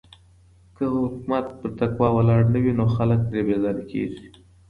که حکومت پر تقوی ولاړ نه وي نو خلګ ترې بېزاره کيږي.